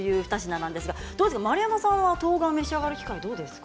丸山さんはとうがん召し上がる機会どうですか？